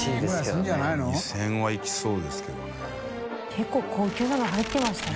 結構高級なの入ってましたよ。